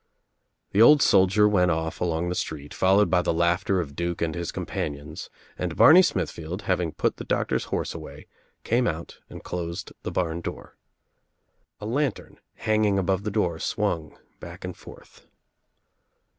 The old soldier went off along the street followed by the laughter of Duke and his companions and Bar ney Smithficld, having put the doctor's horse away, came out and closed the barn door. A lantern hanging ^Kibove the ( VNLIGHTEP LAMPS ;hc door swung back and forth.